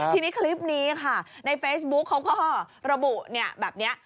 ทีนี้คลิปนี้ค่ะในเฟซบุ๊กเขาก็ระบุแบบนี้